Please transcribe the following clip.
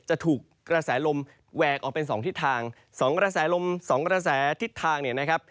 จะถูกกระแสลมแหวกออกเป็นสองทิศทางสองกระแสลมสองกระแสทิศทางเนี่ยนะครับ